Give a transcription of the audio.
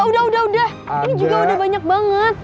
udah udah ini juga udah banyak banget